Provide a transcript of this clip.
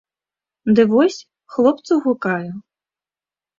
Ды вось хлопцу гукаю!